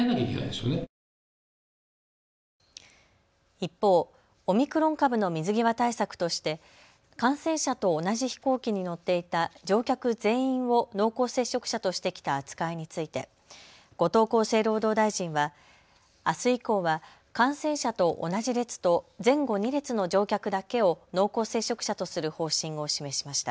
一方、オミクロン株の水際対策として感染者と同じ飛行機に乗っていた乗客全員を濃厚接触者としてきた扱いについて後藤厚生労働大臣はあす以降は感染者と同じ列と前後２列の乗客だけを濃厚接触者とする方針を示しました。